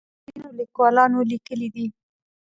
ځینو لیکوالانو لیکلي دي.